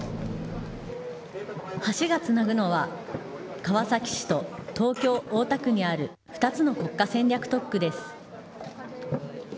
橋がつなぐのは川崎市と東京・大田区にある２つの国家戦略特区です。